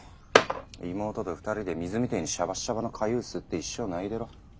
妹と２人で水みてえにシャバシャバの粥すすって一生泣いでろ。